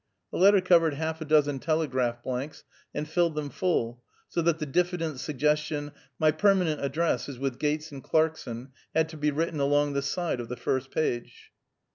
The letter covered half a dozen telegraph blanks, and filled them full, so that the diffident suggestion, "My permanent address is with Gates & Clarkson," had to be written along the side of the first page.